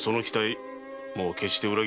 もう決して裏切るなよ。